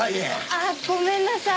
ああごめんなさい。